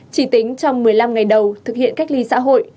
chỉ tính trong một mươi năm ngày đầu thực hiện cách ly xã hội